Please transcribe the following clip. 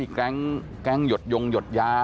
มีแกล้งหยดโยงหยดยา